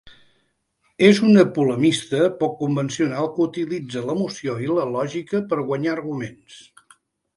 És una polemista poc convencional que utilitza l'emoció i la lògica per guanyar arguments.